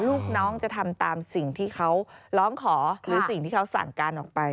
ลูกน้องจะทำตามสิ่งที่เขาร้องขอหรือสิ่งที่เขาสั่งการออกไป